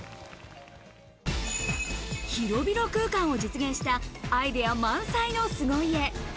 広々空間を実現したアイデア満載の凄家。